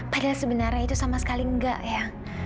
padahal sebenarnya itu sama sekali enggak ya